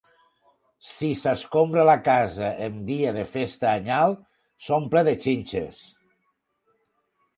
Si s'escombra la casa en dia de festa anyal, s'omple de xinxes.